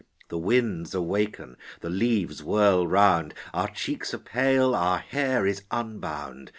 The winds awaken, the leaves whirl round, Our cheeks are pale, our hair is unbound.